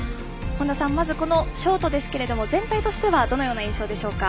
まずショートですけど全体としてはどのような印象でしょうか。